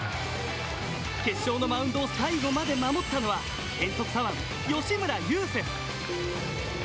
決勝のマウンドを最後まで守ったのは変則左腕吉村優聖歩。